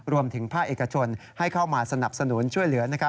รวมถึงภาคเอกชนให้เข้ามาสนับสนุนช่วยเหลือ